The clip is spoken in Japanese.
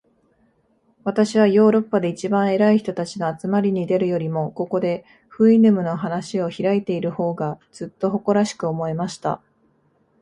私はヨーロッパで一番偉い人たちの集まりに出るよりも、ここで、フウイヌムの話を開いている方が、ずっと誇らしく思えました。